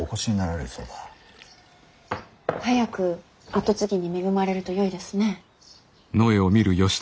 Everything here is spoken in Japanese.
早く跡継ぎに恵まれるとよいですね。